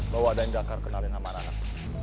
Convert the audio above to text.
bawa dain dakar kenalin sama anak